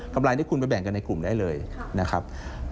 ไรที่คุณไปแบ่งกันในกลุ่มได้เลยนะครับ